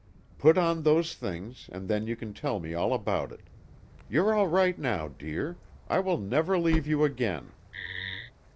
"Put on those things, and then you can tell me all about it. You're all right now, dear. I will never leave you again."